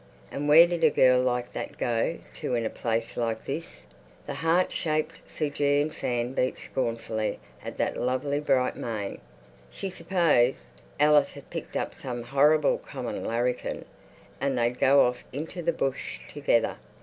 And where did a girl like that go to in a place like this? The heart shaped Fijian fan beat scornfully at that lovely bright mane. She supposed Alice had picked up some horrible common larrikin and they'd go off into the bush together.